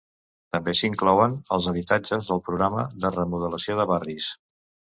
També s'inclouen els habitatges del programa de remodelació de barris.